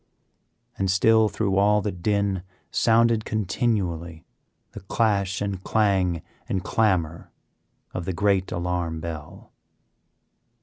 And still through all the din sounded continually the clash and clang and clamor of the great alarm bell.